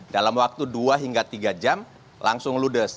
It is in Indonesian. dalam waktu dua hingga tiga jam langsung ludes